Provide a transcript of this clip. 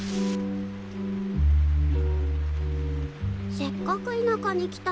せっかく田舎に来たのに。